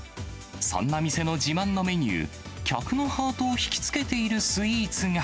そんな店の自慢のメニュー、客のハートを引き付けているスイーツが。